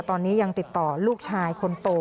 ตอนนี้ยังติดต่อลูกชายคนโต